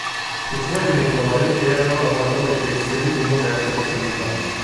I suoi genitori erano lavoratori tessili di modeste possibilità.